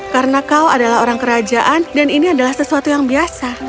karena kau adalah orang kerajaan dan ini adalah sesuatu yang biasa